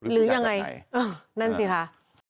หรือยังไงนั่นสิคะ